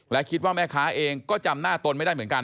และคิดว่าแม่ค้าเองก็จำหน้าตนไม่ได้เหมือนกัน